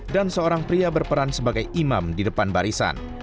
dan seorang pria berperan sebagai imam di depan barisan